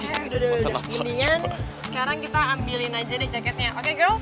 udah udah udah mendingan sekarang kita ambilin aja deh jaketnya oke girls